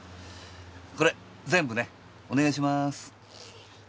これ全部ねお願いしまーす。